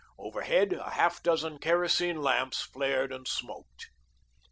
Overhead a half dozen kerosene lamps flared and smoked.